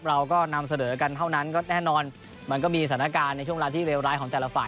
เราก็นำเสนอกันเท่านั้นก็แน่นอนมันก็มีสถานการณ์ในช่วงเวลาที่เลวร้ายของแต่ละฝ่าย